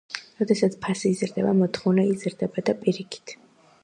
როდესაც ფასი იზრდება, მოთხოვნა იზრდება და პირიქით.